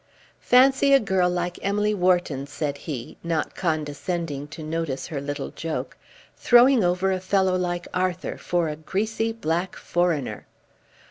"Fancy a girl like Emily Wharton," said he, not condescending to notice her little joke, "throwing over a fellow like Arthur for a greasy, black foreigner."